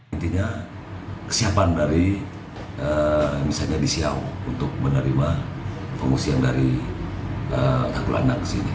intinya kesiapan dari misalnya di siau untuk menerima pengungsi yang dari kakulandang ke sini